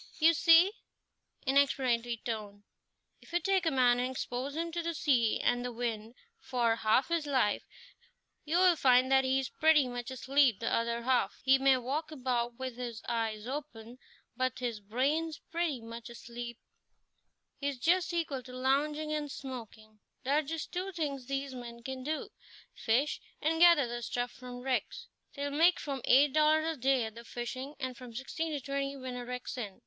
"You see" in explanatory tone "if you take a man and expose him to the sea and the wind for half his life, you'll find that he is pretty much asleep the other half. He may walk about with his eyes open, but his brain's pretty much asleep; he's just equal to lounging and smoking. There are just two things these men can do fish, and gather the stuff from wrecks. They'll make from eight dollars a day at the fishing, and from sixteen to twenty when a wreck's in.